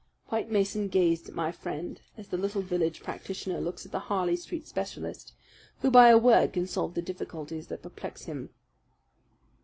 White Mason gazed at my friend as the little village practitioner looks at the Harley Street specialist who by a word can solve the difficulties that perplex him.